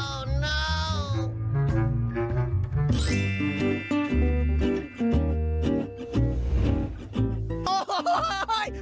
โอ้ไม่